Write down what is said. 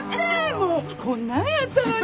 もうこんなんやったのに。